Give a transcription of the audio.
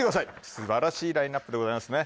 すばらしいラインナップでございますね